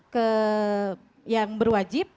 ke yang berwajib